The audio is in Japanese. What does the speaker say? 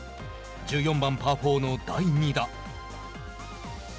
１４番パー４の第２打。